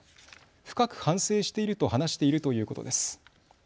深く反省していると話しているということです。